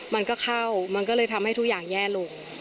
มันก็เข้ามันก็เลยทำให้ทุกอย่างแย่ลง